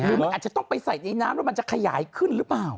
มันอาจจะต้องไปใส่ในน้ำแล้วมันจะขยายขึ้นหรือเปล่า